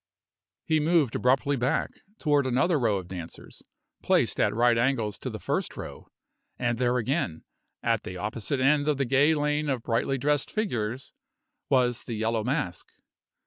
He moved abruptly back, toward another row of dancers, placed at right angles to the first row; and there again; at the opposite end of the gay lane of brightly dressed figures, was the Yellow Mask.